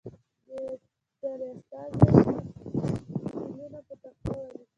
د یوې ډلې استازی دې فعلونه په تخته ولیکي.